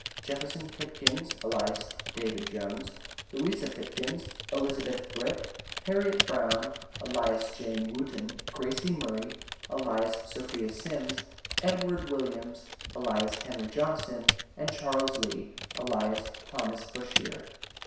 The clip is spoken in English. JEFFERSON PIPKINS, ALIAS DAVID JONES, LOUISA PIPKINS, ELIZABETH BRIT, HARRIET BROWN, ALIAS JANE WOOTON, GRACY MURRY, ALIAS SOPHIA SIMS, EDWARD WILLIAMS, ALIAS HENRY JOHNSON, CHAS. LEE, ALIAS THOMAS BUSHIER.